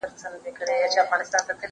زه پرون چپنه پاکه کړه؟